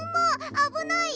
あぶないよ！